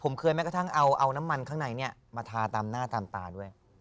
ผมเคยแม้กระทั่งเอาน้ำมันข้างในมาทาตามหน้าตามตาด้วย